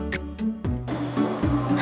sampai jumpa lagi